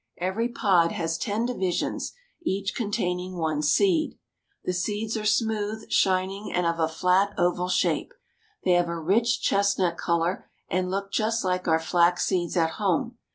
Every pod has ten divisions, each containing one seed. The seeds are smooth, shining, and of a flat, oval shape. They have a rich chestnut color, and look just Hke our flax seeds at home.